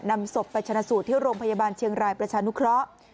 นำศพไปชนะสูตรที่โรงพยาบาลเชียงรายประชานุเคราะห์